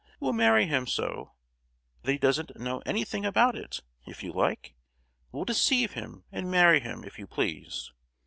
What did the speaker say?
We'll marry him so that he doesn't know anything about it, if you like? We'll deceive him and marry him, if you please!